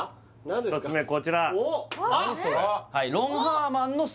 １つ目こちらおっ！